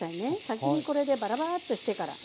先にこれでバラバラッとしてから。